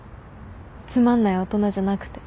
つまんない大人じゃなくて。